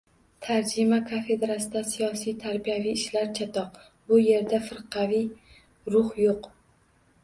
«Tarjima kafedrasida siyosiy-tarbiyaviy ishlar chatoq. Bu yerda firqaviy ruh yo‘q».